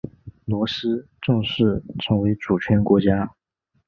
罗斯正式成为主权国家。